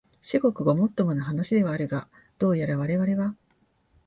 至極ごもっともな話ではあるが、どうやらわれわれは、